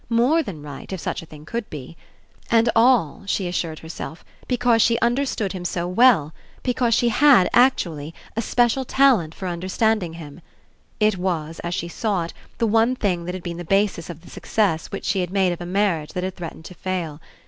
More than right, if such a thing could be. And all, she assured herself, because she understood him so well, because she had, actually, a special lOI PASSING talent for understanding him. It was, as she saw it, the one thing that had been the basis of the success which she had made of a marriage that had threatened to fail.